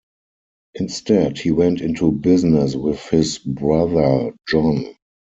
Instead, he went into business with his brother John.